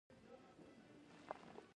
غالۍ د جومات ارزښت زیاتوي.